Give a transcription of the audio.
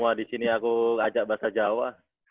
semua di sini aku ajak bahasa jawa